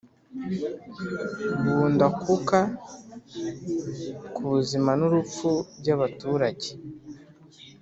Gundakuka ku buzima n urupfu by abaturage